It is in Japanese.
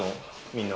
みんな。